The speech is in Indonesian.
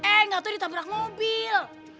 eh enggak tuh ditabrak mobil